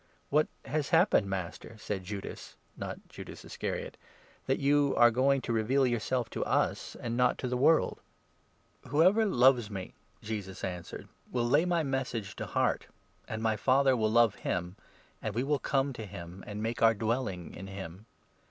"What has happened, Master," said Judas (not Judas 22 Iscariot), "that you are going to reveal yourself to us, and not to the world ?" 2 Enoch 39. 4. 196 JOHN, 14 15. " Whoever loves me," Jesus answered, "will lay my Message 23 to heart ; and my Father will love him, and we will come to him and make our dwelling with him.